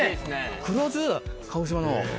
黒酢？鹿児島の。